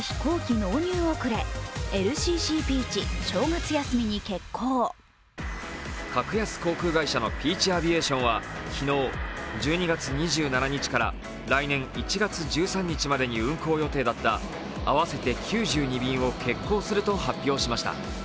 格安航空会社のピーチ・アビエーションは昨日１２月２７日から来年１月１３日までに運航予定だった合わせて９２便を欠航すると発表しました。